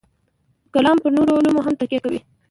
کلام پر نورو علومو هم تکیه کوي.